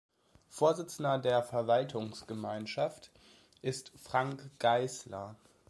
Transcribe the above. Vorsitzender der Verwaltungsgemeinschaft ist Frank Geißler.